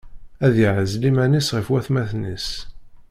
Ad iɛzel iman-is ɣef watmaten-is.